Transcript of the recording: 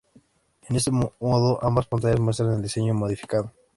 En este modo ambas pantallas muestran el diseño modificado.